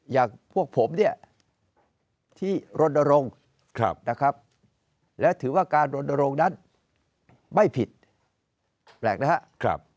อย่างพวกผมเนี่ยที่รณรงค์นะครับและถือว่าการรณรงค์นั้นไม่ผิดแปลกนะครับ